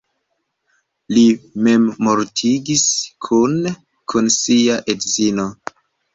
Li memmortigis kune kun sia edzino.